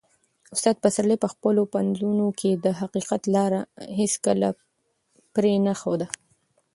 استاد پسرلي په خپلو پنځونو کې د حقیقت لاره هیڅکله پرې نه ښوده.